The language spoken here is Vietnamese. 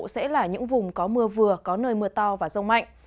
sẽ là những vùng có mưa vừa có nơi mưa to và rông mạnh